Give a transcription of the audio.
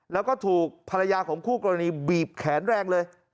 แล้วก็ถูกภรรยาของคู่กรณีบีบแขนแรงเลย